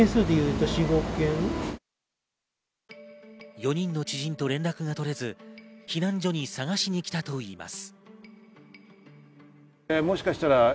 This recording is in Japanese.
４人の知人と連絡が取れず、避難所に捜しに来たといいます。